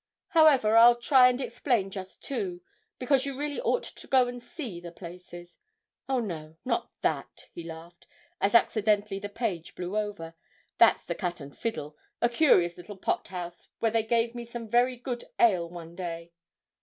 However, I'll try and explain just two because you really ought to go and see the places. Oh, no; not that,' he laughed, as accidentally the page blew over, 'that's the Cat and Fiddle, a curious little pot house, where they gave me some very good ale one day.'